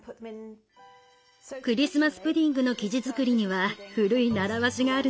クリスマス・プディングの生地作りには古い習わしがあるのよ。